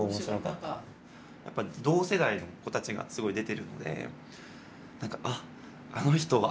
同世代の子たちがすごい出てるので何かあっあの人が！